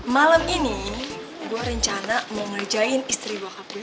malem ini gue rencana mau ngerjain istri bokap gue